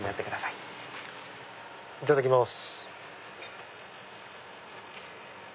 いただきます。